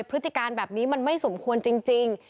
พฤติกรรมแบบนี้มันไม่สมควรจริง